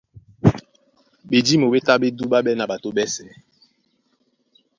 Ɓedímo ɓé tá ɓé dúɓáɓɛ́ na ɓato ɓɛ́sɛ̄.